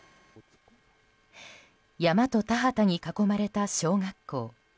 山と田畑に囲まれた小学校。